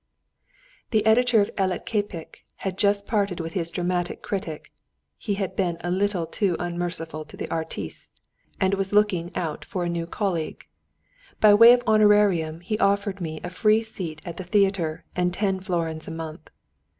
The editor of the Eletképek had just parted with his dramatic critic (he had been a little too unmerciful to the artistes), and was looking out for a new colleague. By way of honorarium he offered me a free seat at the theatre, and ten florins a month.